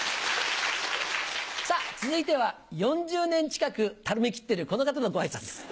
さぁ続いては４０年近くたるみきってるこの方のご挨拶。